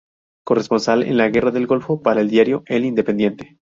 Corresponsal en la guerra del Golfo para el diario "El Independiente".